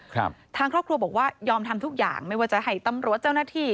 ทางครอบครัวบอกว่ายอมทำทุกอย่างไม่ว่าจะให้ตำรวจเจ้าหน้าที่